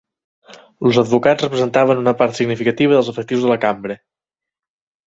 Els advocats representaven una part significativa dels efectius de la Cambra.